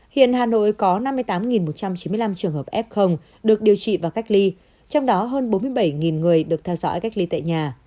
hiện hà nội có năm mươi tám một trăm chín mươi năm trường hợp f được điều trị và cách ly trong đó hơn bốn mươi bảy người được theo dõi cách ly tại nhà